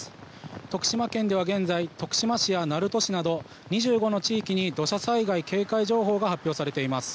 徳島県では現在徳島市や鳴門市など２５の地域に土砂災害警戒情報が発表されています。